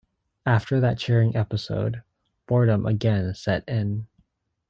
After that cheering episode boredom again set in.